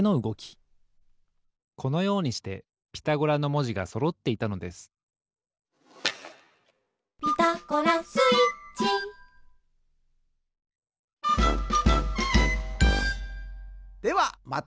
このようにしてピタゴラのもじがそろっていたのです「ピタゴラスイッチ」ではまた！